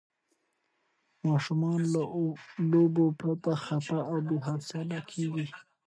ماشومان له لوبو پرته خفه او بې حوصله کېږي.